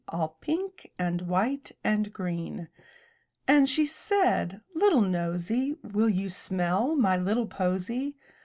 All pink and white and green. And she said, 'Tittle nosy. Will you smell my little posy?